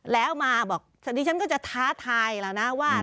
แล้วมาบอกดิฉันก็จะท้าทายแล้วนะว่า